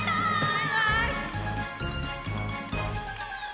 バイバイ！